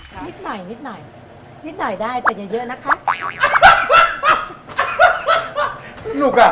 กันด้วยนิดหน่อยนิดหน่อยนิดหน่อยได้แต่เยอะนะครับ